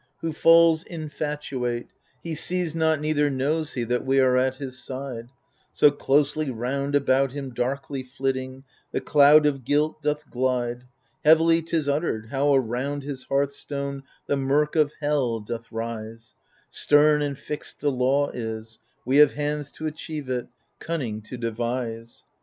Who falls infatuate, he sees not neither knows he That we are at his side ; So closely round about him, darkly flitting, The cloud of guilt doth glide. Heavily 'tis uttered, how around his hearthstone The mirk of hell doth rise. Stem and flxed the law is ; we have hands t' achieve it, Cunning to devise.